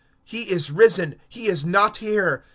He is risen; he is not here.